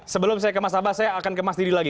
sebelum saya ke mas abas saya akan ke mas didi lagi